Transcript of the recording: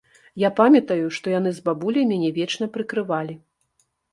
Я памятаю, што яны з бабуляй мяне вечна прыкрывалі.